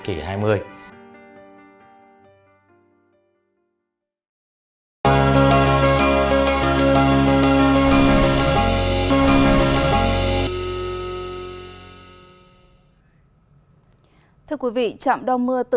thưa quý vị trạm đo mưa tự động mang tên v rain đường công ty tư vấn và phát triển kỹ thuật tài nguyên nước nghiên cứu và phát triển